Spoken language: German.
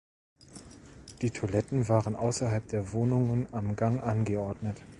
Die Toiletten waren außerhalb der Wohnungen am Gang angeordnet.